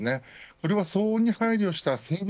これは騒音に配慮した整備